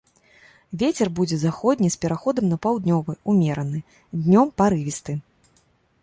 Вецер будзе заходні з пераходам на паўднёвы ўмераны, днём парывісты.